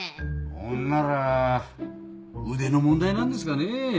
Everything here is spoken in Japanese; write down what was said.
ほんなら腕の問題なんですかねぇ。